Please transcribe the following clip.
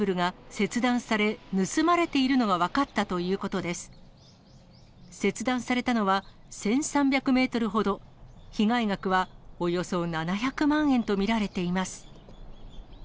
切断されたのは、１３００メートルほど、被害額はおよそ７００万円と見られています。